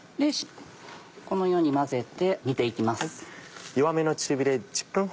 このように混ぜて煮て行きます。